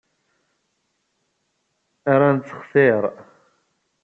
Ar nettxitir.